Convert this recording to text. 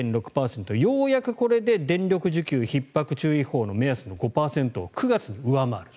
ようやくこれで電力需給ひっ迫注意報の目安の５％を９月に上回る。